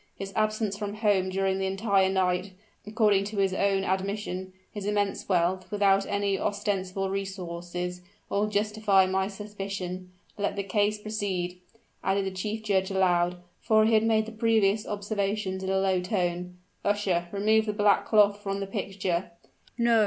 His absence from home during the entire night, according to his own admission, his immense wealth, without any ostensible resources, all justify my suspicion. Let the case proceed," added the chief judge aloud; for he had made the previous observations in a low tone. "Usher, remove the black cloth from the picture!" "No!